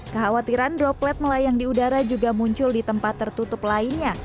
kekhawatiran droplet melayang di udara juga muncul di tempat tertutup lainnya